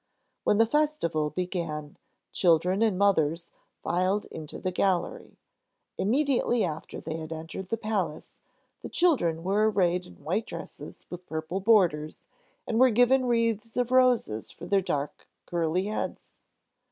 When the festival began children and mothers filed into the gallery. Immediately after they had entered the palace, the children were arrayed in white dresses with purple borders and were given wreaths of roses for their dark, curly heads.